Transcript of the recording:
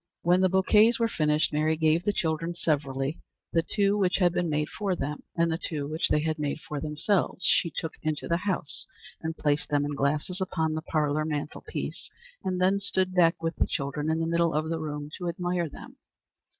101 When the bouquets were finished Mary gave the children, severally, the two which had been made for them; and the two which they had made for themselves she took into the house and placed them in glasses upon the parlor mantel piece, and then stood back with the children in the middle of the room to admire them.